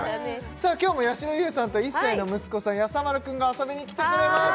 今日もやしろ優さんと１歳の息子さんやさ丸くんが遊びに来てくれました